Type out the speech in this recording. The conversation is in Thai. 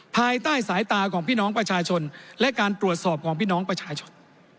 ภายใต้สายตาของพี่น้องประชาชนและการตรวจสอบของพี่น้องประชาชน